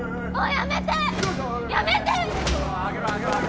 やめて！